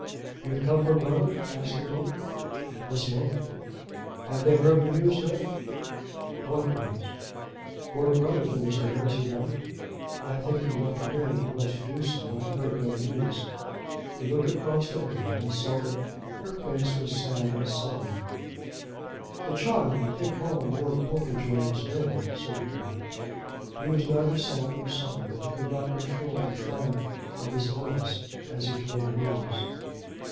"You've come from Rudham?" asked the Dean. "This moment." "Have they heard the news there?" "What news?" "Lord Brotherton is there, is he not?" "I think he left to day. He was to do so. I heard no news." He looked across to Mary, and saw that her face was sad and solemn. "The child that they called Lord Popenjoy is dead," said the Dean. He was neither sad nor solemn. He could not control the triumph of his voice as he told the news.